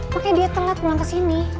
makanya dia telat pulang ke sini